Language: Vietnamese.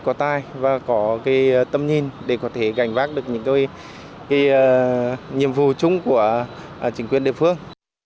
có tai và có tâm nhìn để có thể gành vác được những nhiệm vụ chung của chính quyền địa phương